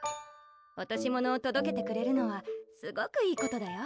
落とし物を届けてくれるのはすごくいいことだよ。